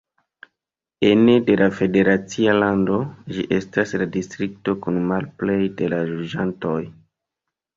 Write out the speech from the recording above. Ene de la federacia lando, ĝi estas la distrikto kun malplej da loĝantoj.